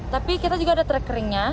tapi kita juga ada trek keringnya